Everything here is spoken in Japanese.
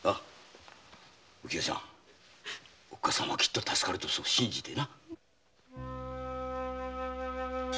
お清ちゃんお母さんはきっと助かるとそう信じてな。